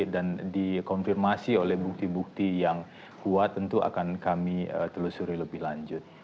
dan dikonfirmasi oleh bukti bukti yang kuat tentu akan kami telusuri lebih lanjut